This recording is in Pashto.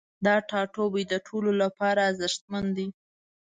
دا ټاتوبی د ټولو لپاره ارزښتمن دی